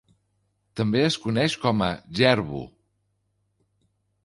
També es coneix com a jerbu.